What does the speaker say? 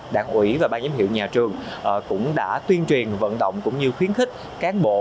đảng ủy và ban giám hiệu nhà trường cũng đã tuyên truyền vận động cũng như khuyến khích cán bộ